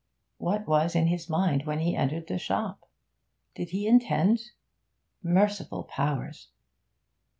What was in his mind when he entered the shop? Did he intend...? Merciful powers!